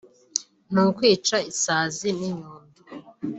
ni ukwica isazi n’inyundo